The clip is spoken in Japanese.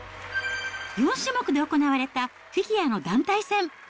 ４種目で行われたフィギュアの団体戦。